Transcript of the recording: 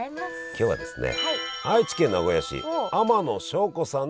今日はですね